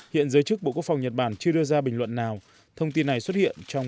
hiện giới chức bộ quốc phòng nhật bản chưa đưa ra bình luận nào thông tin này xuất hiện trong